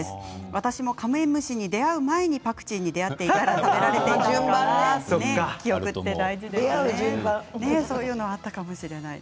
私もカメムシに出会う前にパクチーに出会っていたら食べられていたかもしれないな。